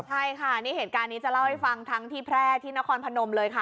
ใช่ค่ะนี่เหตุการณ์นี้จะเล่าให้ฟังทั้งที่แพร่ที่นครพนมเลยค่ะ